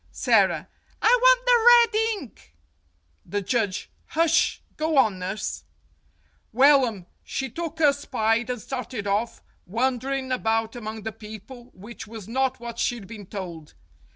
Sara : I want the red ink. The Judge : Hush. Go on, nurse. "Wellum, she took 'er spide and started off, wan derin' about among the people, which was not what she'd been told.